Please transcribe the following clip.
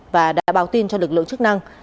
và đã báo tin cho lực lượng chức năng